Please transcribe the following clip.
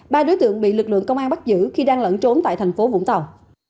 ba đối tượng bị lực lượng công an bắt giữ khi đang lẫn trốn tại thành phố vũng tàu